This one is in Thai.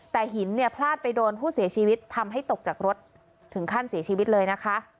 แต่หินเนี่ยพลาดไปโดนผู้เสียชีวิตทำให้ตกจากรถถึงขั้นเสียชีวิตเลยนะคะ